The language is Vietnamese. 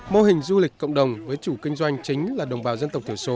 mô hình du lịch cộng đồng với chủ kinh doanh chính là đồng bào dân tộc thiểu số